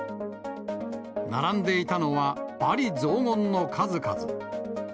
並んでいたのは罵詈雑言の数々。